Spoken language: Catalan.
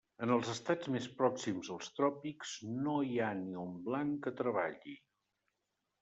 En els estats més pròxims als tròpics, no hi ha ni un blanc que treballi.